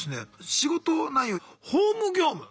仕事内容ホーム業務。